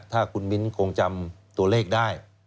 ถ้าคุณมิ้นคงจำตัวเลขได้